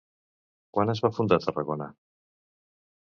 Quan es va fundar Tarragona?